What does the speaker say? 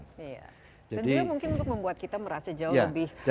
dan juga mungkin untuk membuat kita merasa jauh lebih